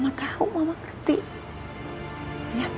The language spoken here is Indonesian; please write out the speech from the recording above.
aku gak punya harapan lagi sama putri ma